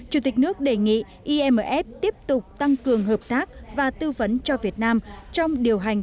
chủ tịch nước đề nghị imf tiếp tục tăng cường hợp tác và tư vấn cho việt nam trong điều hành